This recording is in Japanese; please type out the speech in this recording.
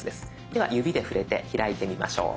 では指で触れて開いてみましょう。